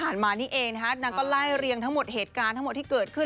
แล้วก็ไล่เรียงทั้งหมดเหตุการณ์ทั้งหมดที่เกิดขึ้น